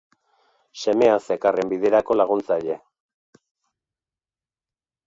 Semea zekarren biderako laguntzaile.